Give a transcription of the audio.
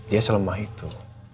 dia selama itu